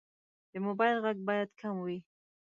د موبایل غږ باید کم وي.